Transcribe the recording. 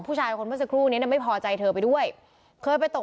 ผู้ชายคนเมื่อสักครู่นี้เนี่ยไม่พอใจเธอไปด้วยเคยไปตก